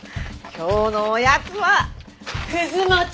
今日のおやつは葛餅。